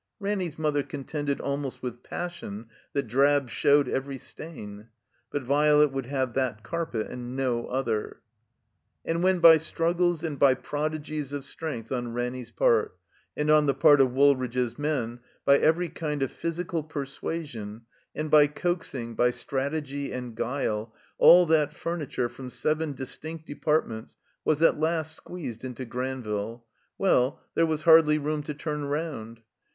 Ranny's mother contended almost with passion that drab showed every stain. But Violet would have that carpet and no other. And when by struggles and by prodigies of strength on Ranny's part, and on the part of Wool ridge's men, by every kind of physical persuasion, and by coaxing, by strategy and guile, all that furni ture from seven distinct departments was at last squeezed into Granville — ^well, there was hardly room to turn rotmd.